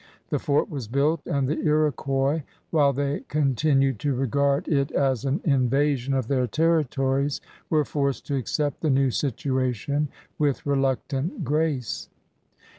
The fort was built, and the Iroquois, while they continued to r^ard it as an invasion of their territories, were forced to accept the new situation with reluctant grace.